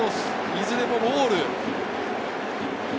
いずれもボール。